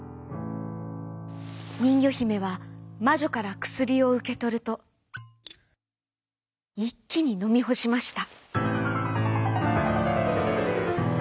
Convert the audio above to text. にんぎょひめはまじょからくすりをうけとるといっきにのみほしました。